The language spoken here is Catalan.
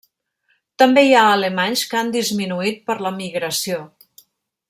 També hi ha alemanys que han disminuït per l'emigració.